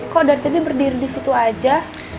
kok dari sini berdiri di situ aja